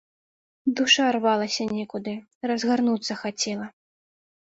Душа рвалася некуды, разгарнуцца хацела.